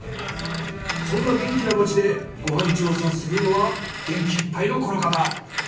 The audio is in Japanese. そんな元気な町でご飯調査するのは元気いっぱいのこの方！